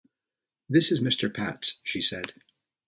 "This is Mr. Pats," she said.